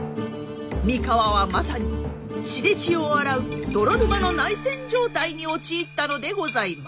三河はまさに血で血を洗う泥沼の内戦状態に陥ったのでございます。